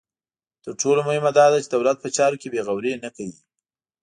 تر ټولو مهمه دا ده چې دولت په چارو کې بې غوري نه کوي.